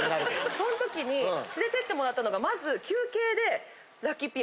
その時に連れてってもらったのがまず。